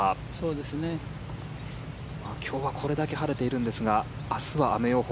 今日はこれだけ晴れているんですが明日は雨予報。